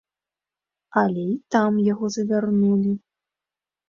Але і там яго завярнулі.